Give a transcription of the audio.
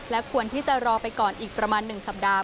ควรที่จะรอไปก่อนอีกประมาณ๑สัปดาห